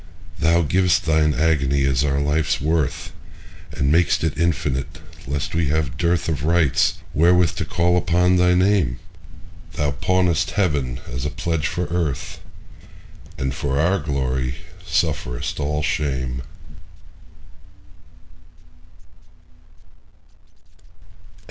Thou giv'st Thine agony as our life's worth, And mak'st it infinite, lest we have dearthOf rights wherewith to call upon thy Name; Thou pawnest Heaven as a pledge for Earth, And for our glory sufferest all shame.